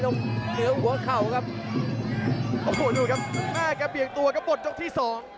แทบสระตัวโดนที่